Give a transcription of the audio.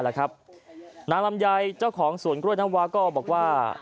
นางลำไยเจ้าของสวนกล้วยน้ำวาก็บอกว่า